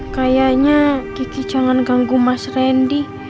kayaknya kiki jangan ganggu mas rendy